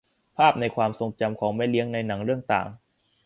ภาพในความทรงจำของแม่เลี้ยงในหนังเรื่องต่าง